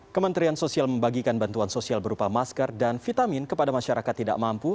kementerian sosial membagikan bantuan sosial berupa masker dan vitamin kepada masyarakat tidak mampu